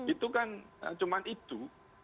itu kan cuma itu